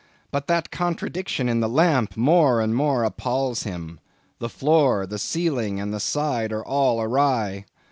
But that contradiction in the lamp more and more appals him. The floor, the ceiling, and the side, are all awry.